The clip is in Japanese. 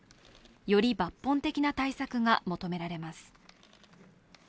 より抜本的な対策が求められます。